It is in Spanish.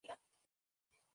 La ida es Barra Sta.